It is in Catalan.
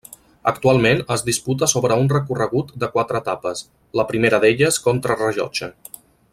Actualment es disputa sobre un recorregut de quatre etapes, la primera d'elles contrarellotge.